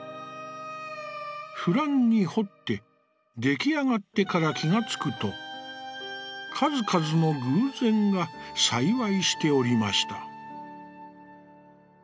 不乱に彫って、出来上がってから気がつくと、数々の偶然が幸いしておりました」。